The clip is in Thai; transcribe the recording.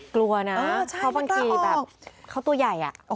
กลัวนะเขาบางทีแบบเขาตัวใหญ่น่ะใช่ไม่กล้าออก